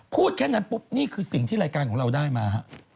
พูดแค่นั้นปุ๊บนี่คือสิ่งที่รายการของเราได้มาฮะ